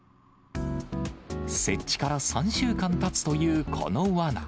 設置から３週間たつというこのわな。